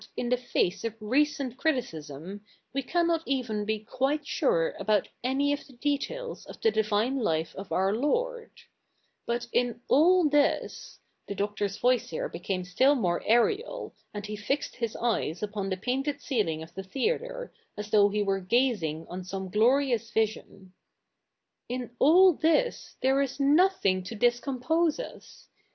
i the face of recent criticism, we cannot even be quite sure about any of the details of the divine life of our Lord, But in all this '— the Doctor's voice here became still more aerial, and he fixed his eyes upon the painted ceiling of the theatre, as though he were gazing on some glorious vision —' in all this there is nothing to discofnpose us.